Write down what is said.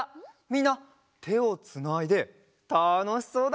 みんなてをつないでたのしそうだね！